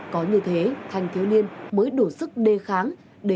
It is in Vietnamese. có như thế thanh thiếu niên mới đủ sức đề kháng